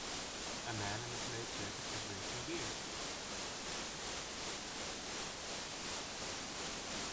A man in a plaid jacket is drinking beer.